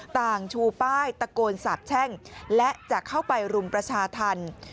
ต่างชูป้ายตะโกนสาบแช่งและจะเข้าไปรุมประชาธรรม